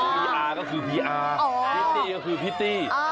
พี่อาก็คือพีอาร์พิตตี้ก็คือพิตตี้